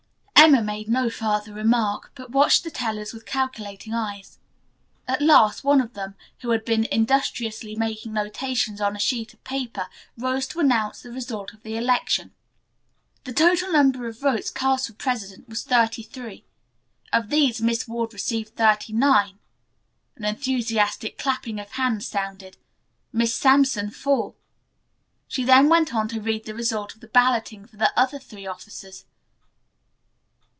Emma made no further remark, but watched the tellers with calculating eyes. At last one of them, who had been industriously making notations on a sheet of paper, rose to announce the results of the election. "The total number of votes cast for president was thirty three. Of these Miss Ward received twenty nine" an enthusiastic clapping of hands sounded "Miss Sampson four." She then went on to read the result of the balloting for the other three officers.